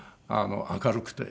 明るくて。